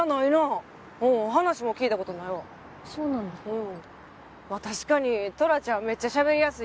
うん。